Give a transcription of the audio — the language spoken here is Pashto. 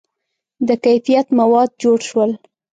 • د کیفیت مواد جوړ شول.